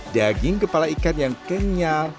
daging kepala ikan yang kenyal